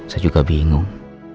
saya juga bingung